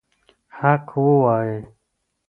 حق ووایئ.